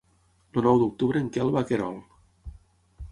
El nou d'octubre en Quel va a Querol.